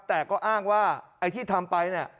แต่ก็อ้างว่าไอ้ที่ทำไปเนี่ย